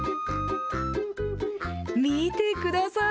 見てください。